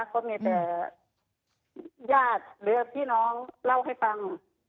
ก็มีแต่ญาติหรือพี่น้องเล่าให้ฟัง